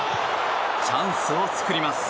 チャンスを作ります。